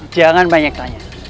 jangan banyak tanya